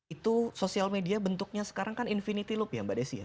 itu sosial media bentuknya sekarang kan infinity loop ya mbak desi ya